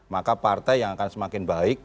maka partai yang akan semakin baik